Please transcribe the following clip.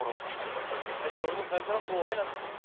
ええあいつら俺の会社の後輩なんですよ。